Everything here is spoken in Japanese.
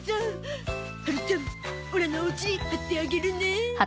はるちゃんオラのおうちに貼ってあげるね。